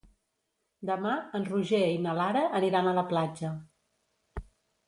Demà en Roger i na Lara aniran a la platja.